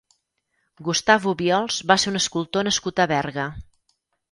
Gustave Obiols va ser un escultor nascut a Berga.